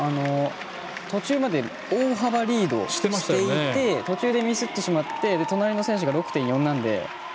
途中まで大幅リードしていて途中でミスってしまって隣の選手が６．４なので。